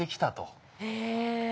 へえ。